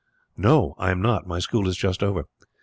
"No, I am not. My school is just over."